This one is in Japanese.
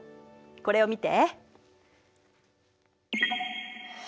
これを見て。